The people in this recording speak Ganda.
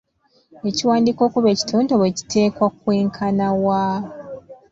Ekiwandiiko okuba ekitontome kiteekwa kwenkana wa?